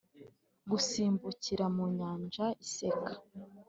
gusimbukira mu nyanja iseka.